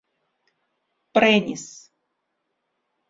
prenis